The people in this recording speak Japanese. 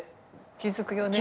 気付くよね。